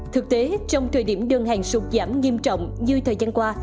thực tế trong thời điểm đơn hàng sụt giảm nghiêm trọng như thời gian qua